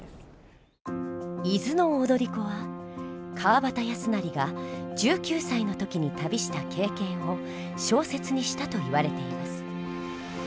「伊豆の踊子」は川端康成が１９歳の時に旅した経験を小説にしたといわれています。